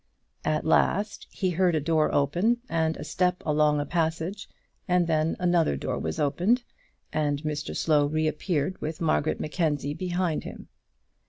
At last he heard a door open, and a step along a passage, and then another door was opened, and Mr Slow reappeared with Margaret Mackenzie behind him.